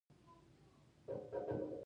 غږونه د یادونو دروازه ده